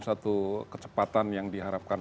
satu kecepatan yang diharapkan